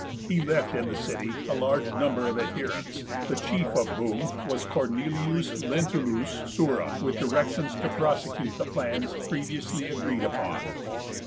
He left in the city a large number of adherents, the chief of whom was P. Cornelius Lentulus Sura, with directions to prosecute the plans previously agreed upon.